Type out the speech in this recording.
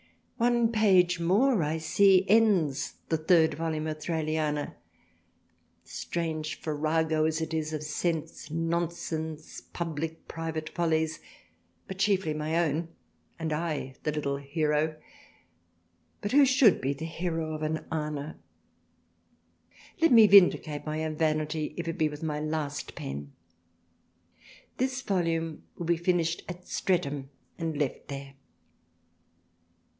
One page more I see ends the third Volume of Thraliana ! strange Farrago as it is of Sense, Non sense, publick private Follies but chiefly my own, and / the little Hero ! but who should be the Hero of an "Ana" ? let me vindicate my own Vanity if it be with my last Pen. This Volume will be finished at Streatham and left there.